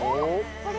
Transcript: これ？